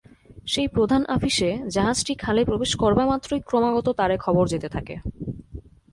সেই প্রধান আফিসে জাহাজটি খালে প্রবেশ করবামাত্রই ক্রমাগত তারে খবর যেতে থাকে।